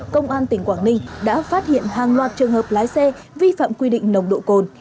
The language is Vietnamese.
công an tỉnh quảng ninh đã phát hiện hàng loạt trường hợp lái xe vi phạm quy định nồng độ cồn